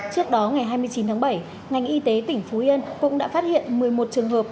trước đó ngày hai mươi chín tháng bảy ngành y tế tỉnh phú yên cũng đã phát hiện một mươi một trường hợp